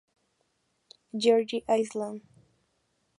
George Island.